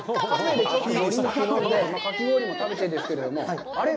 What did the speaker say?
かき氷も食べてですけど、あれ？